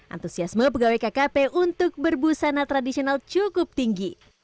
antusiasme pegawai kkp untuk berbusana tradisional cukup tinggi